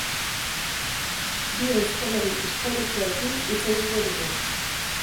Bi aizkolari historikorekin hitz egingo dugu.